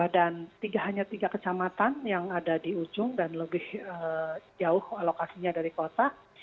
dan hanya tiga kecamatan yang ada di ujung dan lebih jauh alokasinya dari kota